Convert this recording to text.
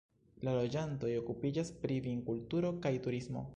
La loĝantoj okupiĝas pri vinkulturo kaj turismo.